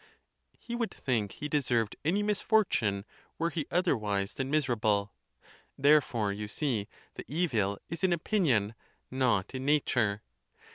He would think he deserved any misfortune were he oth erwise than miserable! Therefore, you see, the evil is in opinion, not in nature.